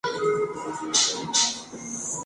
¿Ella habría partido?